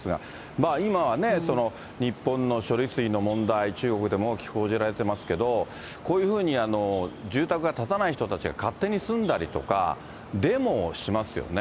まあ今はね、日本の処理水の問題、中国でも大きく報じられてますけど、こういうふうに住宅が建たない人たちが勝手に住んだりとか、デモをしますよね。